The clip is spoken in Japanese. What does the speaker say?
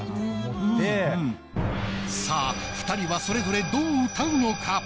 さあ２人はそれぞれどう歌うのか？